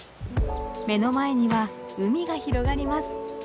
目の前には海が広がります。